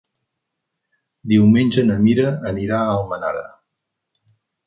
Diumenge na Mira anirà a Almenara.